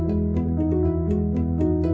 di petapi sewaktu dia berhasil